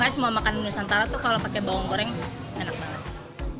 semuanya makan nusantara tuh kalau pakai bawang goreng enak banget